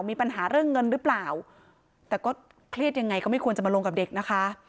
มีปัญหาเรื่องเงินหรือเปล่าแต่ก็เครียดยังไงก็ไม่ควรจะมาลงกับเด็กนะคะ